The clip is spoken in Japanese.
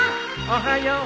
おはよう。